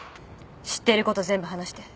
知っていること全部話して。